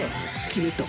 決めた。